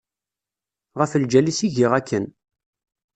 Ɣef lǧal-is i giɣ akken.